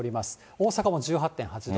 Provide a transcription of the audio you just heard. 大阪が１８．８度。